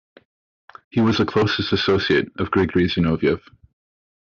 He was the closest associate of Grigory Zinoviev.